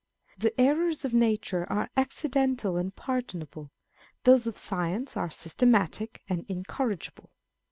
The errors of nature are accidental and pardonable ; those of science are systematic and incorrigible.